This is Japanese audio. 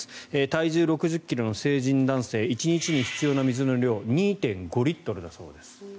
体重６０ｋｇの成人男性１日に必要な水の量２．５リットルだそうです。